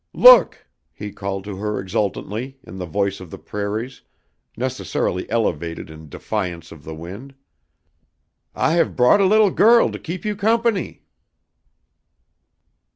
"Look!" he called to her exultantly, in the voice of the prairies, necessarily elevated in defiance of the wind, "I have brought a little girl to keep you company."